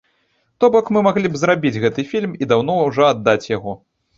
То бок мы маглі б зрабіць гэты фільм і даўно ўжо аддаць яго.